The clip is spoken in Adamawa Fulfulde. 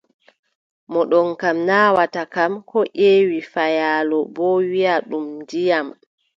Mo ɗomka naawata kam, koo ƴeewi faayaalo boo, wiʼa ɗum ndiyam.